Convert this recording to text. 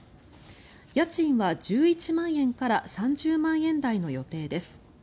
家賃は１１万円から３０万円台の予定です。